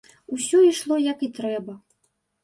Усё ішло як і трэба.